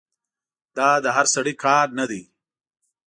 دا د هر سړي کار نه دی.